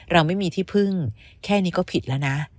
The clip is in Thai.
เราไม่มีที่พึ่งแค่นี้ก็ผิดแล้วนะ